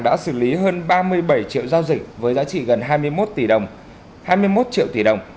đã xử lý hơn ba mươi bảy triệu giao dịch với giá trị gần hai mươi một triệu tỷ đồng